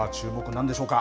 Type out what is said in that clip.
なんでしょうか。